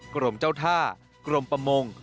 กรมเจ้าท่ากรมประมง